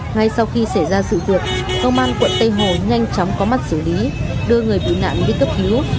ngay sau khi xảy ra sự vượt công an quận tây hồ nhanh chóng có mắt xử lý đưa người bị nạn đi cấp hữu